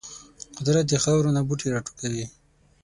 قدرت د خاورو نه بوټي راټوکوي.